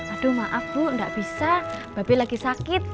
aduh maaf bu enggak bisa bapak lagi sakit